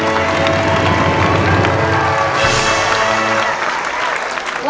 เฮ้เฮ้เฮ้